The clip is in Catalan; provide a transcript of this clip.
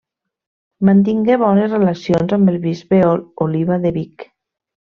Mantingué bones relacions amb el bisbe Oliba de Vic.